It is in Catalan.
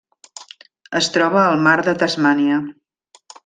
Es troba al Mar de Tasmània.